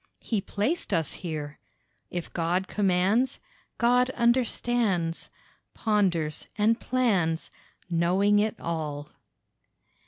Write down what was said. He placed us here. If God commands God understands, Ponders, and plans; Knowing it all.